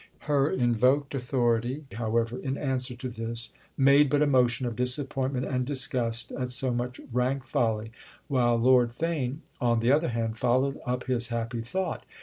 Her invoked authority, however, in answer to this, made but a motion of disappointment and disgust at so much rank folly—while Lord Theign, on the other hand, followed up his happy thought.